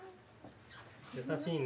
優しいね。